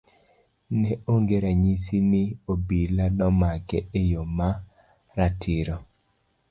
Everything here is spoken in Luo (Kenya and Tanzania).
Ne onge ranyisi ni obila nomake e yo ma ratiro.